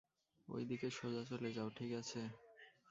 ঐদিকে সোজা চলে যাও ঠিক আছে।